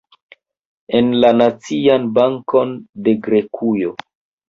En la Nacian Bankon de Grekujo.